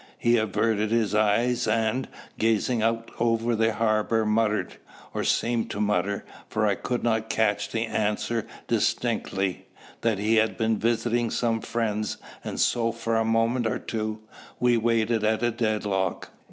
He averted his eyes and, gazing out over the harbour, muttered or seemed to mutter, for I could not catch the answer distinctly that he had been visiting some friends; and so for a moment or two we waited at a deadlock.